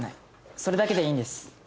それだけでいいんです。